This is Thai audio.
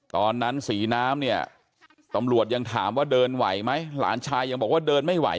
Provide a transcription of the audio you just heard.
สีน้ำเนี่ยตำรวจยังถามว่าเดินไหวไหมหลานชายยังบอกว่าเดินไม่ไหว